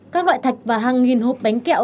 các loại thạch và hàng nghìn hộp bánh kẹo